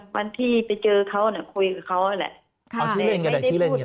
วันที่ไปเจอเขาคุยกับเขาแหละ